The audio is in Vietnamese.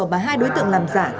mà hai đối tượng làm giả